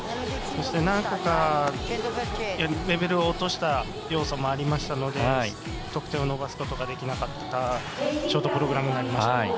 そして、何個かレベルを落とした要素もありましたので得点を伸ばす要素ができなかったショートプログラムになりました。